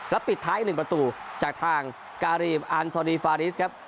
ปิดท้ายอีก๑ประตูจากทางการีมอันซอดีฟาริสครับ